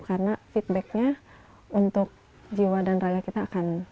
karena feedbacknya untuk jiwa dan rakyat kita akan